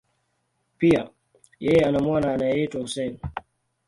Pia, yeye ana mwana anayeitwa Hussein.